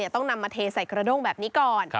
ต้องนำมาเทใส่กระด้งแบบนี้ก่อน